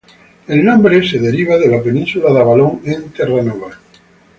El nombre se deriva de la península de Avalon en Terranova.